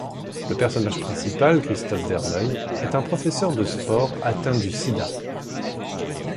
Le personnage principal, Christophe Verneuil, est un professeur de sport atteint du sida.